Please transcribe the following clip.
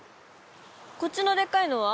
こっちのでっかいのは？